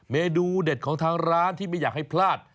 เมนูเด็ดของทางร้านที่ไม่อยากให้พลาด